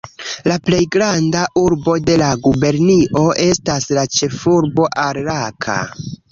La plej granda urbo de la gubernio estas la ĉefurbo Ar-Raka.